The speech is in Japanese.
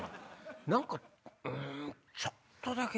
何かうんちょっとだけ。